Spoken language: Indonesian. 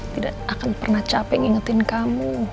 tidak akan pernah capek ngingetin kamu